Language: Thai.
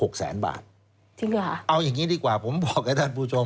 จริงหรือฮะอเจมส์เอาอย่างนี้ดีกว่าผมบอกให้ด้านผู้ชม